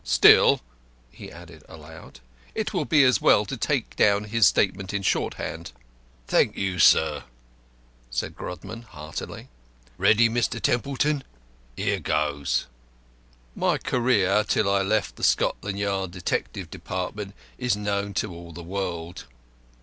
Still," he added aloud, "it will be as well for you to take down his statement in shorthand." "Thank you, sir," said Grodman, heartily. "Ready, Mr. Templeton? Here goes. My career till I left the Scotland Yard Detective Department is known to all the world.